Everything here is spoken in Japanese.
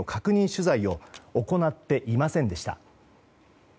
取材を行っていませんでした。